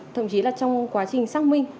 thậm chí là trong quá trình xác minh